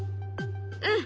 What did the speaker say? うん。